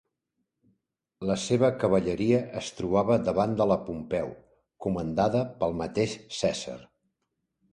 La seva cavalleria es trobava davant de la de Pompeu, comandada pel mateix Cèsar.